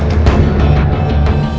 sembara ini aku faridah